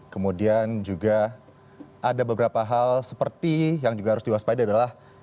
kemudian juga ada beberapa hal seperti yang juga harus diwaspada adalah